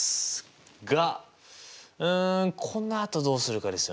がうんこのあとどうするかですよね。